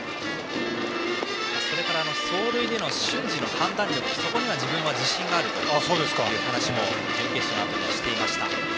それから走塁での瞬時の判断力そこには自信があるという話も準決勝のあとにしていました。